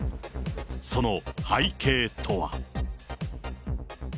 その背景とは？